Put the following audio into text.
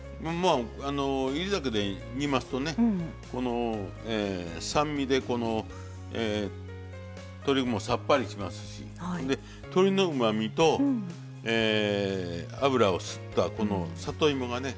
煎り酒で煮ますとね酸味で鶏もさっぱりしますし鶏のうまみと油を吸った里芋がね